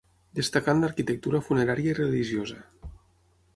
Destacà en l'arquitectura funerària i religiosa.